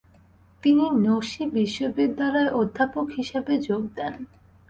তিনি নঁসি বিশ্ববিদ্যালয়ে অধ্যাপক হিসাবে যোগ দেন।